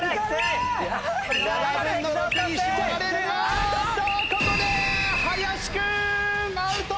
あーっとここで林君アウト！